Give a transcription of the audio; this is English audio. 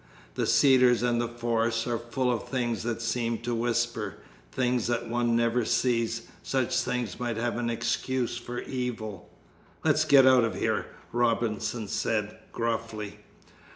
The Cedars and the forest are full of things that seem to whisper, things that one never sees. Such things might have an excuse for evil." "Let's get out of it," Robinson said gruffly.